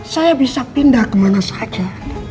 saya bisa pindah kemana saja